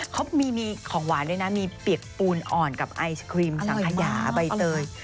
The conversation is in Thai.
เขามีของหวานด้วยนะมีเปียกปูนอ่อนกับไอศครีมสังขยาใบเตย